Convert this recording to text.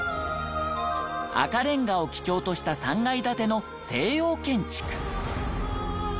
赤レンガを基調とした３階建ての西洋建築。